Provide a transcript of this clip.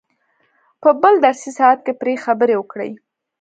په بل درسي ساعت کې پرې خبرې وکړئ.